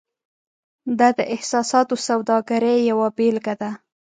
دا د احساساتو سوداګرۍ یوه بیلګه ده.